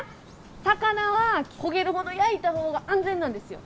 魚は焦げるほど焼いた方が安全なんですよ。